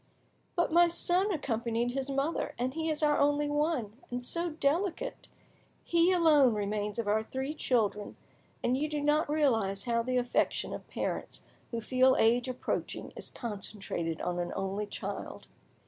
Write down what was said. "But my son accompanied his mother, and he is our only one, and so delicate! He alone remains of our three children, and you do not realise how the affection of parents who feel age approaching is concentrated on an only child!